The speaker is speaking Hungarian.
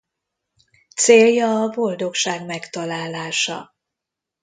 Célja a boldogság megtalálása.